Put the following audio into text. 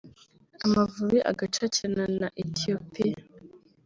Amavubi agacakirana na Ethiopia